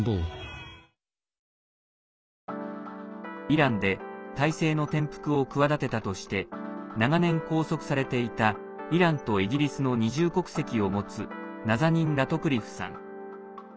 イランで体制の転覆を企てたとして長年、拘束されていたイランとイギリスの二重国籍を持つナザニン・ラトクリフさん。